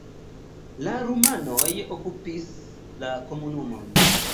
La rumanoj okupis la komunumon.